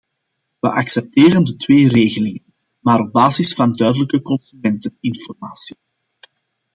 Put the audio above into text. We accepteren de twee regelingen, maar op basis van duidelijke consumenteninformatie.